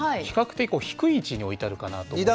比較的低い位置に置いてあるかなと。